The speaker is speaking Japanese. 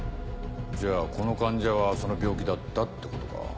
じゃあこの患者はその病気だったってことか。